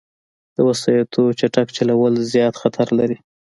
د وسايطو چټک چلول، زیاد خطر لري